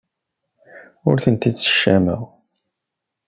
Ur ten-id-ssekcameɣ.